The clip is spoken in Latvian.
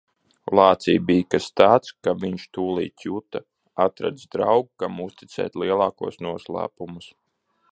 Lācī bija kas tāds, ka viņš tūlīt juta - atradis draugu, kam uzticēt lielākos noslēpumus.